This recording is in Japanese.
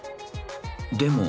［でも］